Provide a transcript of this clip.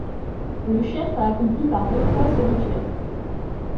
Le chef a accompli par deux fois ce rituel.